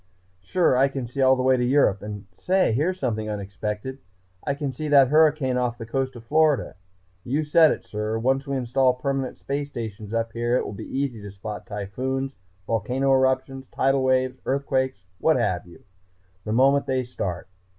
Sure, I can see all the way to Europe and say! Here's something unexpected. I can see that hurricane off the coast of Florida.... You said it, sir! Once we install permanent space stations up here it will be easy to spot typhoons, volcano eruptions, tidal waves, earthquakes, what have you, the moment they start.